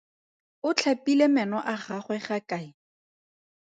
O tlhapile meno a gagwe gakae?